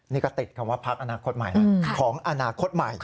นี่ก็ติดคำว่าพักอนาคตใหม่นะของอนาคตใหม่